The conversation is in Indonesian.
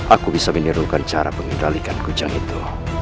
aku bisa menirukan cara mengendalikan kujang itu